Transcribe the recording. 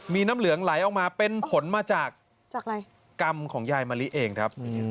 มีน้ำเหลืองไหลออกมาเป็นผลมาจากอะไรกรรมของยายมะลิเองครับ